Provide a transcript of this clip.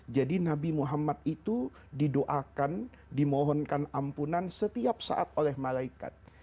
jadi nabi muhammad itu didoakan dimohonkan ampunan setiap saat oleh malaikat